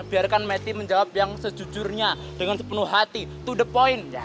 biarkan matty menjawab yang sejujurnya dengan sepenuh hati to the point